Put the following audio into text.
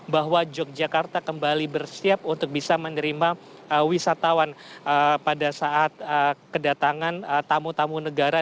bahwa yogyakarta kembali bersiap untuk bisa menerima wisatawan pada saat kedatangan tamu tamu negara